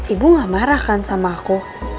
ibu gak marah kan sama aku